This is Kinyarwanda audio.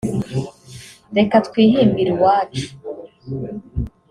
reka twihimbire uwacu